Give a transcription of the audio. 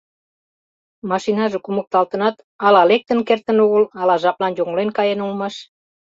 Машинаже кумыкталтынат, ала лектын кертын огыл, ала жаплан йоҥлен каен улмаш.